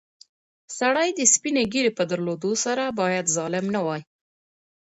سړی د سپینې ږیرې په درلودلو سره باید ظالم نه وای.